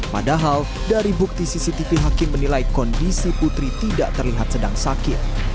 padahal dari bukti cctv hakim menilai kondisi putri tidak terlihat sedang sakit